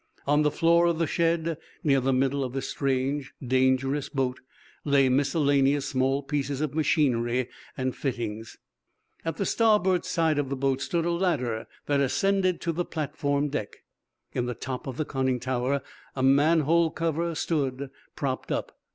On the floor of the shed, near the middle of this strange, dangerous boat, lay miscellaneous small pieces of machinery and fittings. At the starboard side of the boat stood a ladder that ascended to the platform deck. In the top of the conning tower a man hole cover stood propped up.